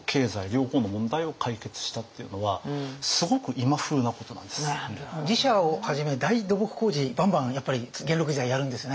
要は寺社をはじめ大土木工事ばんばんやっぱり元禄時代やるんですよね。